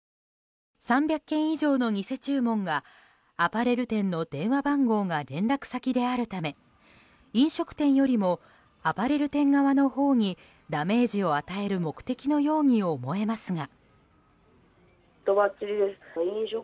３００件以上の偽注文がアパレル店の電話番号が連絡先であるため飲食店よりもアパレル店側のほうにダメージを与える目的のように思えますが。